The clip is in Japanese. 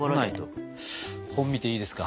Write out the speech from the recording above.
本見ていいですか？